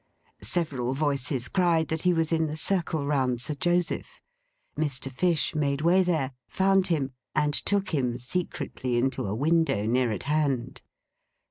Several voices cried that he was in the circle round Sir Joseph. Mr. Fish made way there; found him; and took him secretly into a window near at hand.